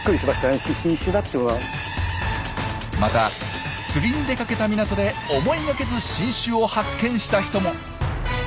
また釣りに出かけた港で思いがけず新種を発見した人も。